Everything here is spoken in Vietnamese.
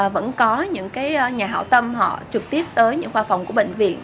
vẫn có những nhà hảo tâm họ trực tiếp tới những khoa phòng của bệnh viện